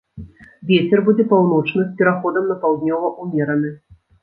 Вецер будзе паўночны з пераходам на паўднёвы ўмераны.